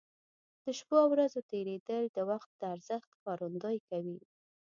د شپو او ورځو تېرېدل د وخت د ارزښت ښکارندوي کوي.